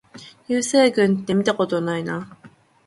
流星群ってみたことないな